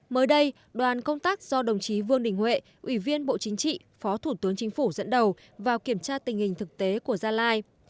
mới đây đoàn công tác do đồng chí vương đình huệ ủy viên bộ chính trị phó thủ tướng chính phủ dẫn đầu vào kiểm tra tình hình thực tế của gia lai